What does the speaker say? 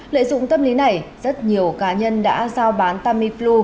lợi dụng tâm lý này rất nhiều cá nhân đã giao bán tamiflu